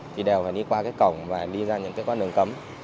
thì đều phải đi qua cái cổng và đi ra những cái con đường cấm